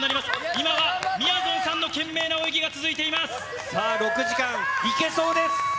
今はみやぞんさんの懸命な泳ぎが６時間、いけそうです。